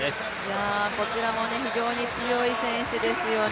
こちらも非常に強い選手ですよね。